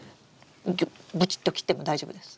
ブチッと切っても大丈夫です。